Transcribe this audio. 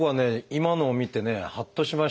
今のを見てねはっとしました。